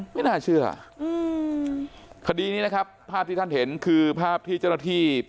ไม่น่าเชื่ออืมคดีนี้นะครับภาพที่ท่านเห็นคือภาพที่เจ้าหน้าที่